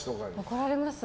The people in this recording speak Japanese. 怒られます。